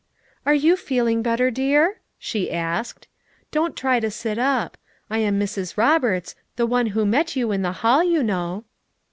"Are you feeling better, dear?" she asked. "Don't try to sit up; I am Mrs. Roberts, the one wiio met you in the hall, you know."